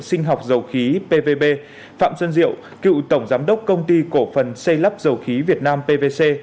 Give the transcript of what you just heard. sinh học dầu khí pvb phạm xuân diệu cựu tổng giám đốc công ty cổ phần xây lắp dầu khí việt nam pvc